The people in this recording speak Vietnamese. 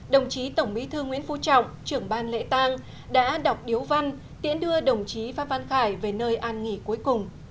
đồng chí tổng bí thư nguyễn phú trọng trưởng ban lễ tang đã đọc điếu văn tiễn đưa đồng chí phan văn khải về nơi an nghỉ cuối cùng